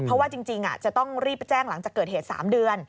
เพราะว่าจริงจะต้องรีบไปแจ้งหลังจากเกิดเหตุ๓เดือน